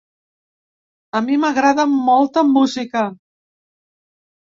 A mi m’agrada molta música.